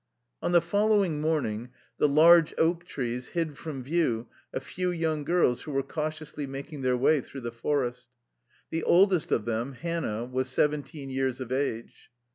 On the following morning the large oak trees hid from view a few young girls who were cau tiously making their way through the forest. The oldest of them, Hannah, was seventeen years of age.